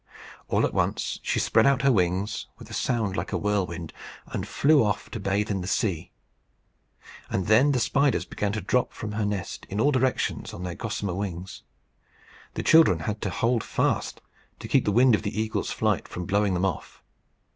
All at once she spread out her wings, with a sound like a whirlwind, and flew off to bathe in the sea; and then the spiders began to drop from her in all directions on their gossamer wings. The children had to hold fast to keep the wind of the eagle's flight from blowing them off.